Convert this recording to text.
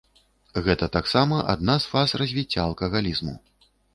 Гэта таксама адна з фаз развіцця алкагалізму.